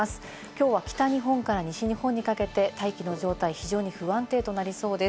きょうは北日本から西日本にかけて大気の状態、非常に不安定となりそうです。